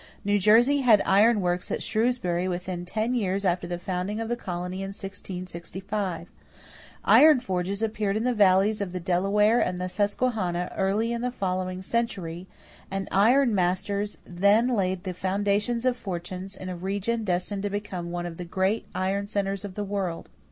New Jersey had iron works at Shrewsbury within ten years after the founding of the colony in 1665. Iron forges appeared in the valleys of the Delaware and the Susquehanna early in the following century, and iron masters then laid the foundations of fortunes in a region destined to become one of the great iron centers of the world.